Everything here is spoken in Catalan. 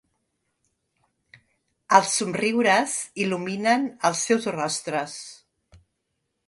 Els somriures il·luminen els seus rostres.